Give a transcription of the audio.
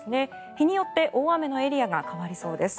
日によって大雨のエリアが変わりそうです。